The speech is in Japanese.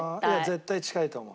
絶対近いと思う。